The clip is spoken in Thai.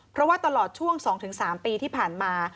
เพราะว่าตลอดช่วง๒๓ปีที่ผ่านมา